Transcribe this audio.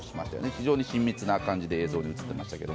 非常に親密な感じで映像に映っていましたね。